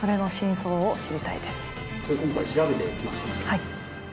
はい。